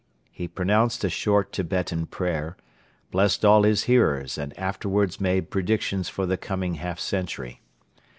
He pronounced a short Tibetan prayer, blessed all his hearers and afterwards made predictions for the coming half century.